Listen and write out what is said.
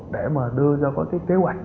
để mà đưa ra các kế hoạch